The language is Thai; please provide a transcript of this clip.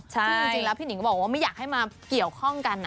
ซึ่งจริงแล้วพี่หนิงก็บอกว่าไม่อยากให้มาเกี่ยวข้องกัน